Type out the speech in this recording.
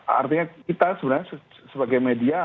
artinya kita sebenarnya sebagai media